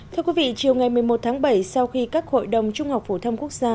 thưa quý vị chiều ngày một mươi một tháng bảy sau khi các hội đồng trung học phổ thông quốc gia